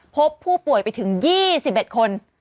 พบผู้ป่วยไปถึง๒๑คน